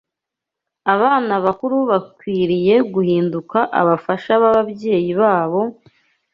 Abana bakuru bakwiriye guhinduka abafasha b’ababyeyi babo,